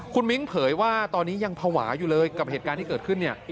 คุณมิ้งเผยว่าตอนนี้ยังภาวะอยู่เลยกับเหตุการณ์ที่เกิดขึ้นเนี่ย